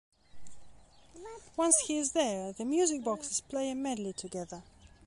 Once he is there, the music boxes play a medley together.